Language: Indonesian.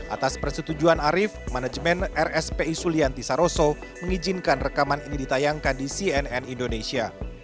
atas persetujuan arief manajemen rspi sulianti saroso mengizinkan rekaman ini ditayangkan di cnn indonesia